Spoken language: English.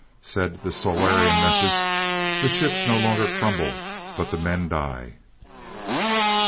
Said the Solarian messages: "The ships no longer crumble but the men die."